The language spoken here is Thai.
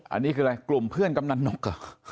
อันนี้คืออะไรกลุ่มเพื่อนกำนันนกเหรอ